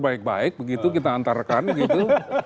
baik baik begitu kita antarkan gitu